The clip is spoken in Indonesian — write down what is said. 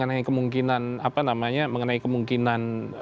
apa namanya mengenai kemungkinan